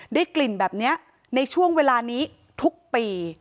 ได้กลิ่นแบบนี้ในช่วงเวลานี้ทุกปี